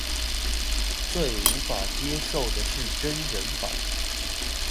最無法接受的是真人版